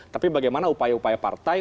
tapi bagaimana upaya upaya partai